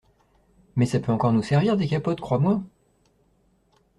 Mais ça peut encore nous servir, des capotes, crois-moi !